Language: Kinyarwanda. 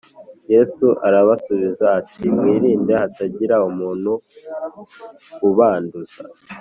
Yesu arabasubiza ati Mwirinde hatagira umuntu ubanduza.